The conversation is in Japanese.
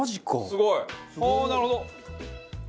すごい！はあーなるほど！